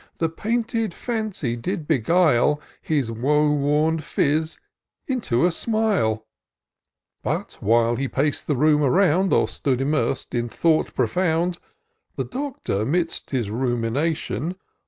The pahited fancy did beguile His woe worn phiz into a smile : But, while he pac'd the room around. Or stood immers'd in thought profound, The Doctor, 'midst his rimiination.